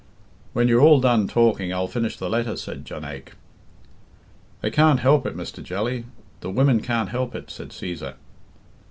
"When you're all done talking I'll finish the letter," said Jonaique. "They can't help it, Mr. Jelly, the women can't help it," said Cæsar.